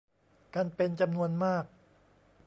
กันเป็นจำนวนมาก